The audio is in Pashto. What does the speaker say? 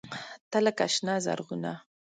تۀ لکه “شنه زرغونه”